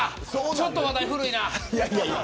ちょっと話題古いな。